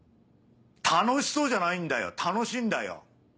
「楽しそう」じゃないんだよ楽しいんだよ！